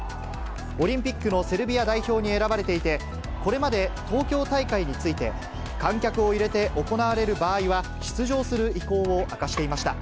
オリンピックのセルビア代表に選ばれていて、これまで東京大会について、観客を入れて行われる場合は、出場する意向を明かしていました。